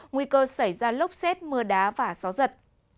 nguy cơ xảy ra lốc xét mưa đá và gió giật